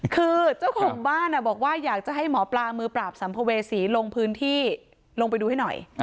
คือเจ้าของบ้านบอกว่าอยากจะให้หมอปลามือปราบสัมภเวษีลงพื้นที่ลงไปดูให้หน่อย